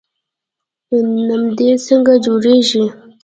نمدې څنګه جوړیږي؟